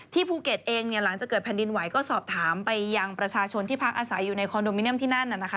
ภูเก็ตเองเนี่ยหลังจากเกิดแผ่นดินไหวก็สอบถามไปยังประชาชนที่พักอาศัยอยู่ในคอนโดมิเนียมที่นั่นนะคะ